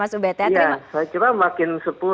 saya kira makin sepuh